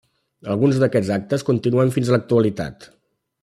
Alguns d'aquests actes continuen fins a l'actualitat.